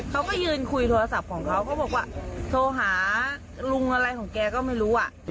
เขาก็ยืนคุยโทรศัพท์ของเขาเขาบอกว่าโทรหาลุงอะไรของแกก็ไม่รู้